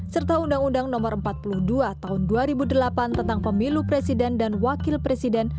serta undang undang no empat puluh dua tahun dua ribu delapan tentang pemilu presiden dan wakil presiden